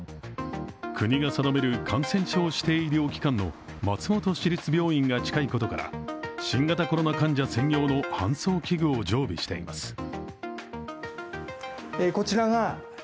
国が定める感染症指定医療機関の松本市立病院が誓いことから新型コロナ患者専用の搬送器具を常備しています。